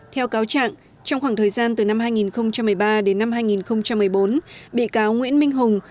theo cáo trạng trong khoảng thời gian từ năm hai nghìn một mươi ba đến năm hai nghìn một mươi bốn bị cáo nguyễn minh hùng